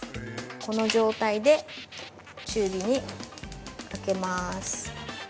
◆この状態で、中火にかけます。